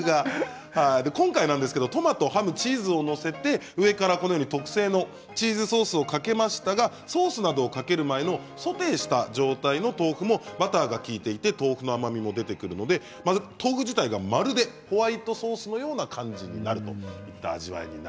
今回トマトにチーズを載せて特製のチーズソースをかけましたがソースなどをかける前のソテーした状態の豆腐もバターが利いていて豆腐の甘みも出て豆腐自体がまるでホワイトソースのような感じになるということです。